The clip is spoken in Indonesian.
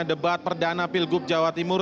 debat perdana pilgub jawa timur